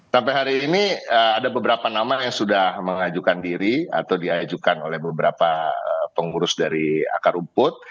sampai hari ini ada beberapa nama yang sudah mengajukan diri atau diajukan oleh beberapa pengurus dari akar rumput